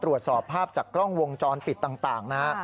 ตรวจสอบภาพจากกล้องวงจรปิดต่างนะฮะ